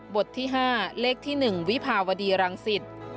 ที่๕เลขที่๑วิภาวดีรังสิต